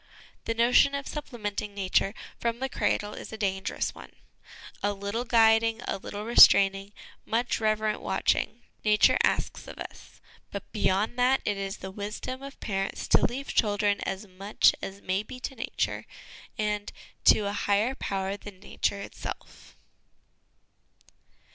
The notion of supple menting Nature from the cradle is a dangerous one. A little guiding, a little restraining, much reverent watching, Nature asks of us ; but beyond that, it is the wisdom of parents to leave children as much as may be to Nature, and " to a higher Power than Nature itself."